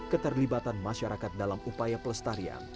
keterlibatan masyarakat dalam upaya pelestarian